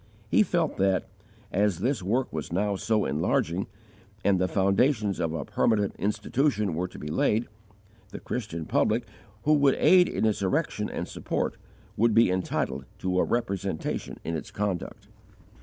He felt that, as this work was now so enlarging, and the foundations of a permanent Institution were to be laid, the Christian public, who would aid in its erection and support, would be entitled to a representation in its conduct.